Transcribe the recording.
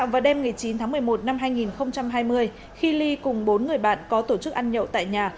vào đêm một mươi chín tháng một mươi một năm hai nghìn hai mươi khi ly cùng bốn người bạn có tổ chức ăn nhậu tại nhà